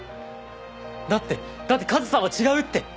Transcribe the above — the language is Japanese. だってだって和沙は違うって！